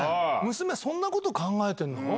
娘そんなこと考えてんの？